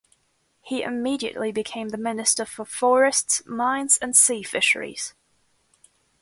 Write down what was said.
He immediately became the Minister for Forests, Mines and Sea Fisheries.